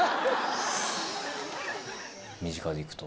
身近で行くと。